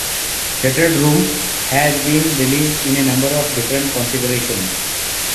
"Shuttered Room" has been released in a number of different configurations.